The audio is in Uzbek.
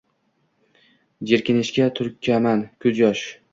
Jerkishinga tukaman kuz yosh